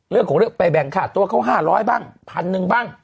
เรื่องของเรื่องไปแบ่งค่าตัวเขา๕๐๐บ้างพันหนึ่งบ้าง